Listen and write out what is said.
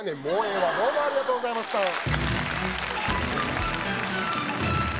もうええわどうもありがとうございました